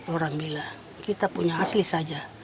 orang bilang kita punya asli saja